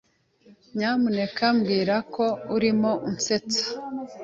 Nyamuneka mbwira ko urimo usetsa.